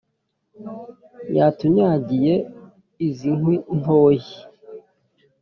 Yatunyagiye iz’i Nkwi-ntoyi